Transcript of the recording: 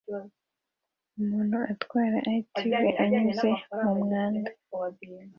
Umuntu atwara ATV anyuze mu mwanda